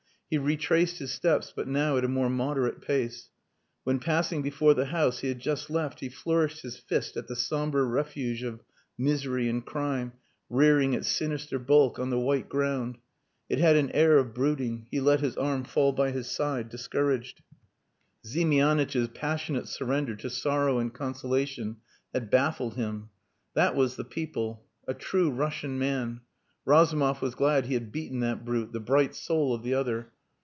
He retraced his steps, but now at a more moderate pace. When passing before the house he had just left he flourished his fist at the sombre refuge of misery and crime rearing its sinister bulk on the white ground. It had an air of brooding. He let his arm fall by his side discouraged. Ziemianitch's passionate surrender to sorrow and consolation had baffled him. That was the people. A true Russian man! Razumov was glad he had beaten that brute the "bright soul" of the other.